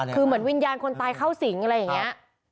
คือเหมือนวิญญาณคนตายเข้าสิงอะไรอย่างนี้